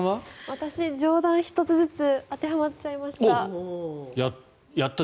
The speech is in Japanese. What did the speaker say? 私、上段１つずつ当てはまっちゃいました。